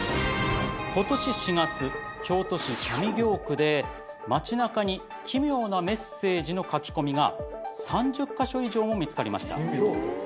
今年４月京都市上京区で街中に奇妙なメッセージの書き込みが３０カ所以上も見つかりました。